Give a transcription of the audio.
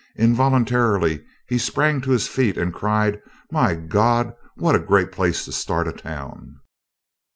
Involuntarily he sprang to his feet and cried, "My Gawd what a great place to start a town!"